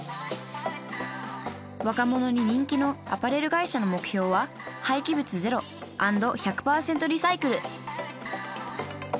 若者に人気のアパレル会社の目標は廃棄物ゼロ＆１００％リサイクル！